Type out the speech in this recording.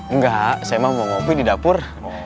enggak saya emang mau ngopi di dapur